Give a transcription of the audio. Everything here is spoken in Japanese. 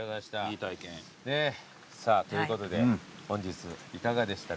さあということで本日いかがでしたか杉山さん。